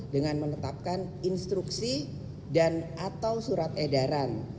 dengan menetapkan instruksi dan atau surat edaran